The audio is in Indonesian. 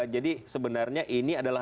jadi sebenarnya ini adalah